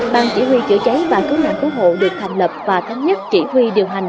ban chỉ huy chữa cháy và cứu nạn cứu hộ được thành lập và thống nhất chỉ huy điều hành